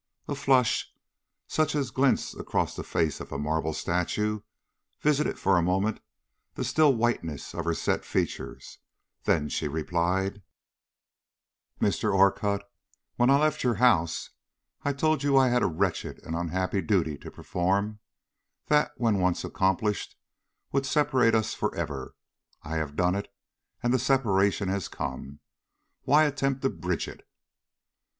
A flush, such as glints across the face of a marble statue, visited for a moment the still whiteness of her set features, then she replied: "Mr. Orcutt, when I left your house I told you I had a wretched and unhappy duty to perform, that, when once accomplished, would separate us forever. I have done it, and the separation has come; why attempt to bridge it?"